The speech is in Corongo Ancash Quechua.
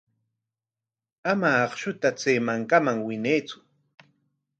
Ama akshuta chay mankaman winaytsu.